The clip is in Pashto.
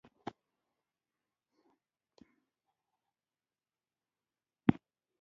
د خوړو اومه او پاخه توکي باید په سړو ځایونو کې وساتل شي.